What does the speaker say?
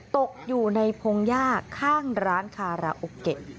ตกอยู่ในพงหญ้าข้างร้านคาราโอเกะ